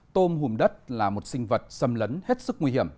tôm hùm đất là một sinh vật xâm lấn hết sức nguy hiểm